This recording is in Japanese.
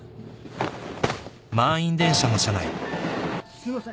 すいません。